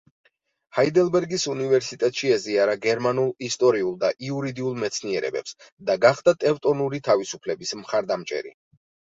ჰაიდელბერგის უნივერსიტეტში ეზიარა გერმანულ ისტორიულ და იურიდიულ მეცნიერებებს და გახდა „ტევტონური თავისუფლების“ მხარდამჭერი.